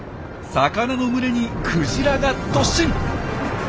魚の群れにクジラが突進！